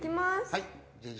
はい。